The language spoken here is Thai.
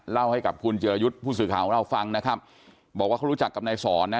เล่าให้กับคุณจิรยุทธ์ผู้สื่อข่าวของเราฟังนะครับบอกว่าเขารู้จักกับนายสอนนะ